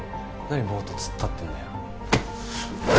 何ボーッと突っ立ってんだよ。